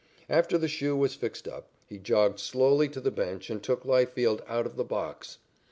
After the shoe was fixed up, he jogged slowly to the bench and took Leifield out of the box.